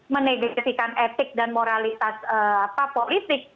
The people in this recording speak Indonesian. menegasikan etik dan moralitas politik